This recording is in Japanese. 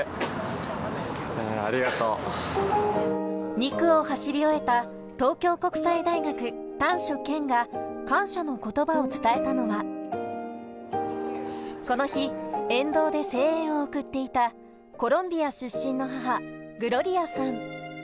２区を走り終えた東京国際大学・丹所健が感謝の言葉を伝えたのは、この日、沿道で声援を送っていたコロンビア出身の母・グロリアさん。